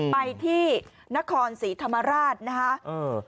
ไปที่นครสีธรรมราชนะครับ